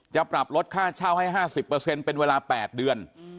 จะปรับลดค่าเช่าให้๕๐เป็นเวลา๘เดือน